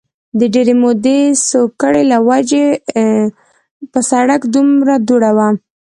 د ډېرې مودې سوکړې له وجې په سړک دومره دوړه وه